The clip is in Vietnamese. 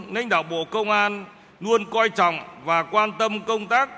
ninh đạo bộ công an luôn quan trọng và quan tâm công tác